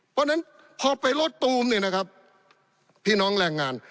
เพราะฉะนั้นพอไปรถตูมเนี่ยนะครับพี่น้องแรงงาน